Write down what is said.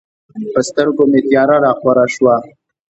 په سترګو مې تیاره راخوره شوه.